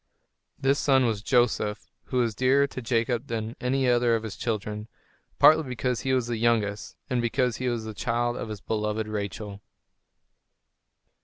This son was Joseph, who was dearer to Jacob than any other of his children, partly because he was the youngest, and because he was the child of his beloved Rachel.